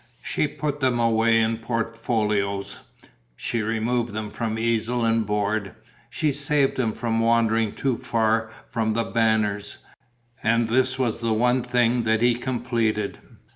She put them away in portfolios; she removed them from easel and board; she saved him from wandering too far from The Banners; and this was the one thing that he completed.